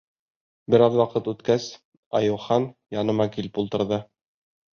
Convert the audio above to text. Бер аҙ ваҡыт үткәс, Айыухан яныма килеп ултырҙы.